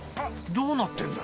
どうなってんだ？